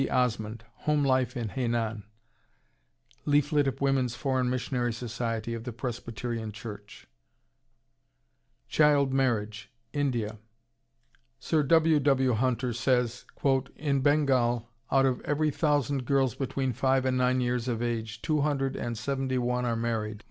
Osmond, "Home Life in Hainan," leaflet of Women's Foreign Missionary Society of the Presbyterian Church) CHILD MARRIAGE, INDIA Sir W. W. Hunter says, "In Bengal, out of every thousand girls between five and nine years of age, two hundred and seventy one are married.